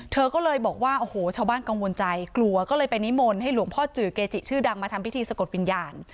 เธอก็เลยบอกว่าโอ้โหชาวบ้านกังวลใจกลัวก็เลยไปนิมนต์ให้หลวงพ่อจือเกจิชื่อดังมาทำพิธีสะกดวิญญาณ